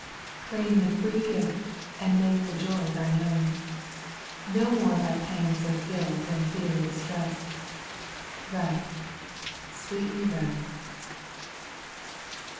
Claim the free gift and make the joy thine own; No more by pangs of guilt and fear distrest, Rest) sweetly rest 1 2.